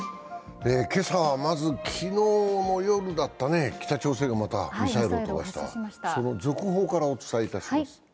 今朝はまず昨日の夜だったね、北朝鮮がまたミサイルを飛ばした、その続報からお伝えいたします。